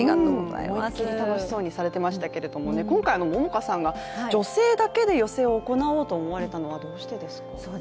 思いっきり楽しそうにされていましたけれども今回、桃花さんが女性だけで寄席を行おうと思われたのはどうしてですか？